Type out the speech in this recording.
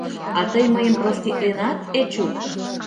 А тый мыйым проститленат, Эчук?